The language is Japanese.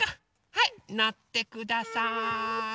はいのってください。